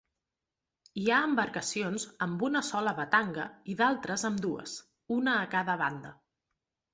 Hi ha embarcacions amb una sola batanga i d'altres amb dues, una a cada banda.